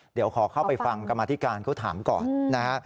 เดี๋ยวขอเข้าไปฟังกรรมธิการเขาถามก่อนนะฮะ